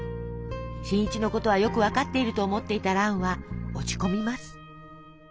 新一のことはよく分かっていると思っていた蘭は落ち込みます。